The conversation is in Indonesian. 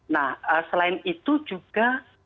nah selain itu juga